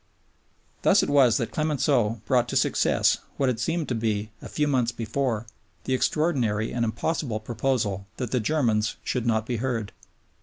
Thus it was that Clemenceau brought to success, what had seemed to be, a few months before, the extraordinary and impossible proposal that the Germans should not be heard.